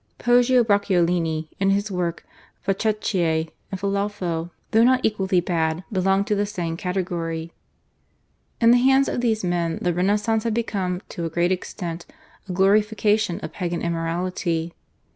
Poggio Bracciolini in his work, /Facetiae/, and Filelfo, though not equally bad, belong to the same category. In the hands of these men the Renaissance had become, to a great extent, a glorification of Pagan immorality.